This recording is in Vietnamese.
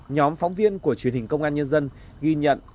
nhóm phóng viên của truyền hình công an nhân dân ghi nhận